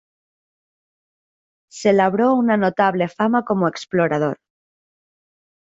Se labró una notable fama como explorador.